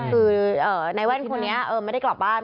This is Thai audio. คือนายแว่นคนนี้ไม่ได้กลับบ้าน